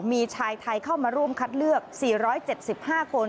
มีชายไทยเข้ามาร่วมคัดเลือก๔๗๕คน